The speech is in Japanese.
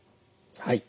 はい。